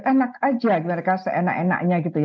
enak saja mereka seenak enak